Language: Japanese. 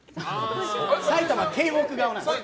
埼玉県北顔なんです。